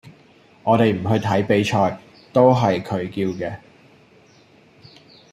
我哋唔去睇比賽，都係佢叫嘅